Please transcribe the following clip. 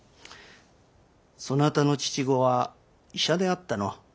そなたの父御は医者であったの？